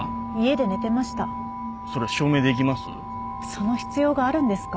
その必要があるんですか？